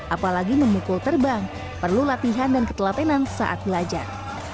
apalagi memukul terbang perlu latihan dan ketelatenan saat belajar